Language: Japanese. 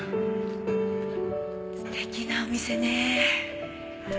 素敵なお店ね。